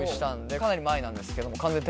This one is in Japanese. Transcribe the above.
かなり前なんですけど。